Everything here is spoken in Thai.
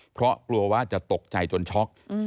เพราะกลัวว่าจะตกใจจนช็อก